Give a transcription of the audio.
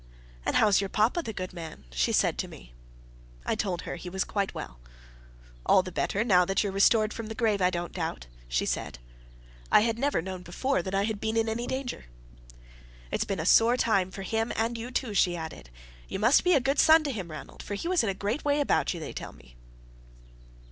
"And how's your papa, the good man?" she said to me. I told her he was quite well. "All the better that you're restored from the grave, I don't doubt," she said. I had never known before that I had been in any danger. "It's been a sore time for him and you too," she added. "You must be a good son to him, Ranald, for he was in a great way about you, they tell me."